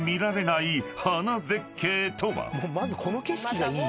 まずこの景色がいい。